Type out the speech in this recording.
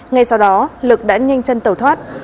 ngay sau đó lực đã nhanh chân tàu thoát